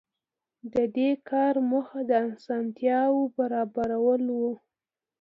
د دې کار موخه د اسانتیاوو برابرول وو.